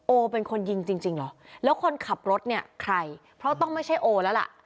โอเป็นคนยิงจริงเหรอแล้วคนขับรถเนี่ยใครเพราะต้องไม่ใช่โอแล้วล่ะ